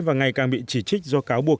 và ngày càng bị chỉ trích do cáo buộc